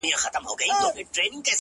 ځوان خپل څادر پر سر کړ،